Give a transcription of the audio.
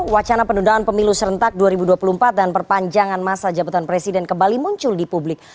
wacana penundaan pemilu serentak dua ribu dua puluh empat dan perpanjangan masa jabatan presiden kembali muncul di publik